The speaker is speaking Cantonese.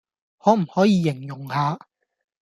可唔可以形容下